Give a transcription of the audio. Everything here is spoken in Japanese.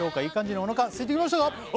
いい感じにおなかすいてきましたか？